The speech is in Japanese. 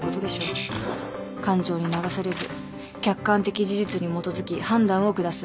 感情に流されず客観的事実に基づき判断を下す。